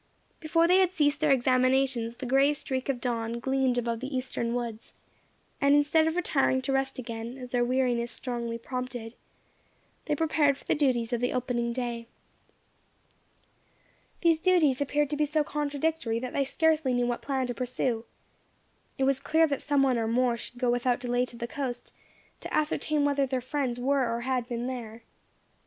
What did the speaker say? Before they had ceased their examinations the grey streak of dawn gleamed above the eastern woods, and instead of retiring to rest again, as their weariness strongly prompted, they prepared for the duties of the opening day. These duties appeared to be so contradictory, that they scarcely knew what plan to pursue. It was clear that some one or more should go without delay to the coast, to ascertain whether their friends were or had been there.